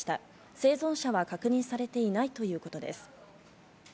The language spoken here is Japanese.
生存者は確認されていないということです。